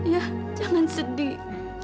ya jangan sedih